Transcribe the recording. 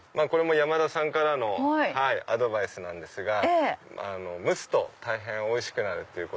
これも山田さんからのアドバイスなんですが蒸すと大変おいしくなるって。